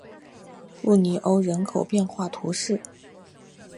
布尼欧人口变化图示